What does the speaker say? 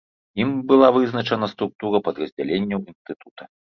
Ім была вызначана структура падраздзяленняў інстытута.